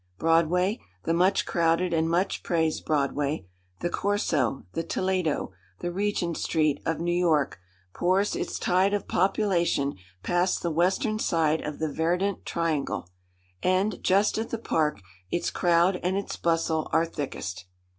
Broadway, the much crowded and much praised Broadway, the Corso, the Toledo, the Regent Street, of New York, pours its tide of population past the western side of the verdant triangle, and, just at the park, its crowd and its bustle are thickest.